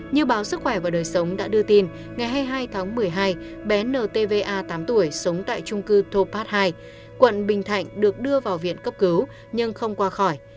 như báo sức khỏe và đời sống đã đưa tin ngày hai mươi hai tháng một mươi hai bé ntva tám tuổi sống tại trung cư topat hai quận bình thạnh được đưa vào viện cấp cứu nhưng không qua khỏi